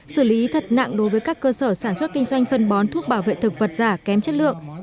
xử lý thật nặng đối với các cơ sở sản xuất kinh doanh phân bón thuốc bảo vệ thực vật giả kém chất lượng